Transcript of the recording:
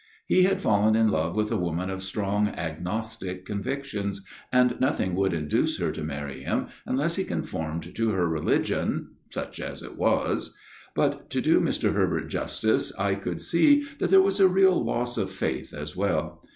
He had fallen in love with a woman of strong agnostic convictions, and nothing would induce her to marry him unless he conformed to her religion such as it was. But, to do Mr. Herbert justice, I could see that there was a real loss of faith as well.